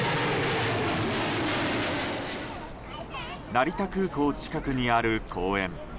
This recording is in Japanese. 成田空港近くにある公園。